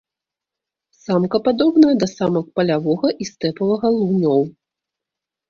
Самка падобная да самак палявога і стэпавага лунёў.